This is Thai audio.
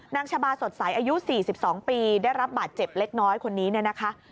ชาบาสดใสอายุ๔๒ปีได้รับบาดเจ็บเล็กน้อยคนนี้เนี่ยนะคะ